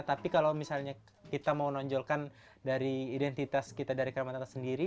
tapi kalau misalnya kita mau nonjolkan dari identitas kita dari kalimantan sendiri